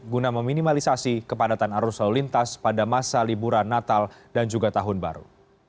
guna meminimalisasi kepadatan arus lalu lintas pada masa liburan natal dan juga tahun baru